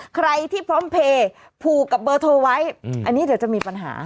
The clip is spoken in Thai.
ใครที่พร้อมเพลย์ผูกกับเบอร์โทรไว้อันนี้เดี๋ยวจะมีปัญหา